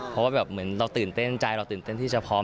เพราะว่าแบบเหมือนเราตื่นเต้นใจเราตื่นเต้นที่จะพร้อม